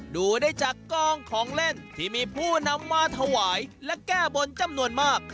ดูได้จากกล้องของเล่นที่มีผู้นำมาถวายและแก้บนจำนวนมาก